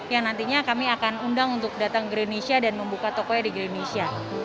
yang nantinya kami akan undang untuk datang ke indonesia dan membuka tokonya di indonesia